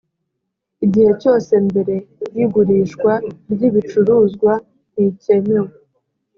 igihe cyose mbere y ‘igurishwa ry ‘ibicuruzwa ntikemewe.